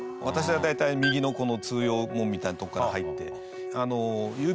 私は大体右のこの通用門みたいなとこから入って。